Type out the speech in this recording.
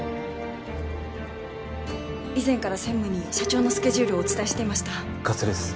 以前から専務に社長のスケジュールをお伝えしていました加瀬です